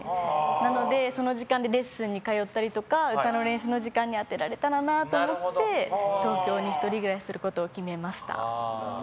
なので、その時間でレッスンに通ったりとか歌の練習の時間に充てられたらなと思って東京に１人暮らしすることを決めました。